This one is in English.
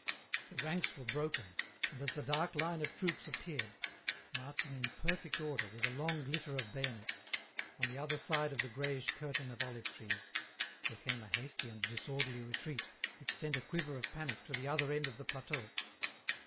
The ranks were broken, and as the dark line of troops appeared, marching in perfect order with a long glitter of bayonets, on the other side of the greyish curtain of olive trees, there came a hasty and disorderly retreat, which sent a quiver of panic to the other end of the plateau.